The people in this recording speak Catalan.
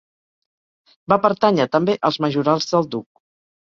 Va pertànyer també als majorals del duc.